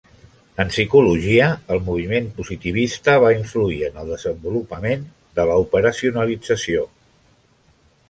En psicologia, el moviment positivista va influir en el desenvolupament de l'operacionalització.